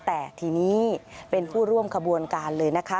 แต่ทีนี้เป็นผู้ร่วมขบวนการเลยนะคะ